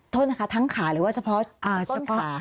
โทษนะคะทั้งขาหรือว่าเฉพาะขา